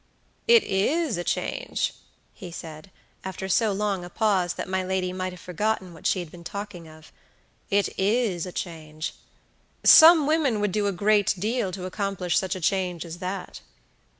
"It is a change," he said, after so long a pause that my lady might have forgotten what she had been talking of, "it is a change! Some women would do a great deal to accomplish such a change as that."